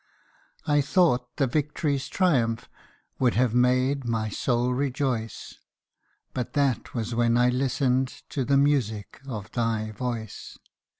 I thought the victory's triumph Would have made my soul rejoice, But that was when I listened To the music of thy voice.